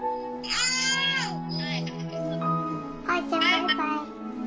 あおちゃんバイバイ。